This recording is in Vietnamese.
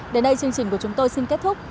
đến đây chương trình của chúng tôi xin kết thúc